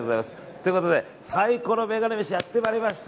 ということで、サイコロメガネ飯やってまいりました。